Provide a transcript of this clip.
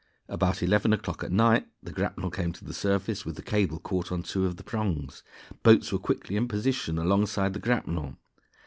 About eleven o'clock at night the grapnel came to the surface with the cable caught on two of the prongs. Boats were quickly in position alongside the grapnel.